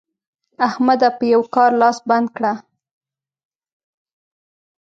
احمده! په یوه کار لاس بنده کړه.